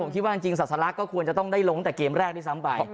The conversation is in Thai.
ผมคิดว่าจริงศาสลักก็ควรจะต้องได้ลงตั้งแต่เกมแรกด้วยซ้ำไป